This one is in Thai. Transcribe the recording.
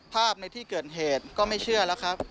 ในที่เกิดเหตุก็ไม่เชื่อแล้วครับ